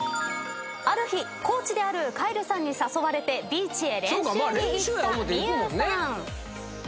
ある日コーチであるカイルさんに誘われてビーチへ練習に行った美憂さん。